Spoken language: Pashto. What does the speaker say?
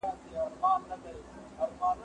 هغه څوک چي اوبه پاکوي روغ وي!.